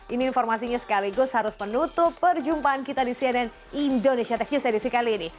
ini informasinya sekaligus harus menutup perjumpaan kita di cnn indonesia tech news edisi kali ini